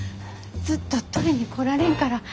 ずっと取りに来られんから。